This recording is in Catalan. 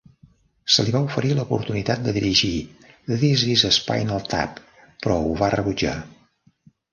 Se li va oferir l'oportunitat de dirigir "This is Spinal Tap", però ho va rebutjar.